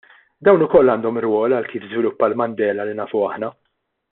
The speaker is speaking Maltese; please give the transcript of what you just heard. Dawn ukoll għandhom rwol għal kif żviluppa l-Mandela li nafu aħna.